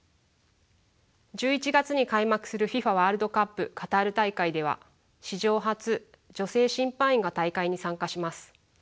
１１月に開幕するＦＩＦＡワールドカップカタール大会では史上初女性審判員が大会に参加します。